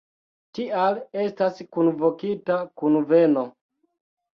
Tial estas kunvokita kunveno.